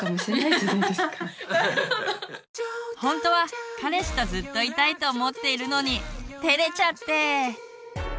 ほんとは彼氏とずっといたいと思っているのにてれちゃって！